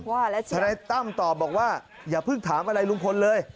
ทนายตั้มตอบบอกว่าอย่าเพิ่งถามอะไรลุงพลเลย